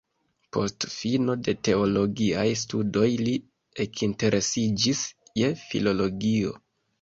Post fino de teologiaj studoj li ekinteresiĝis je filologio.